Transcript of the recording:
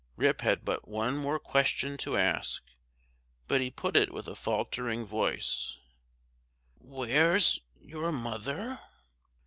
Rip had but one more question to ask; but he put it with a faltering voice: "Where's your mother?"